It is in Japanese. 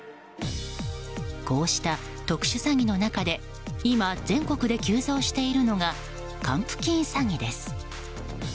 こうした特殊詐欺の中で今、全国で急増しているのが還付金詐欺です。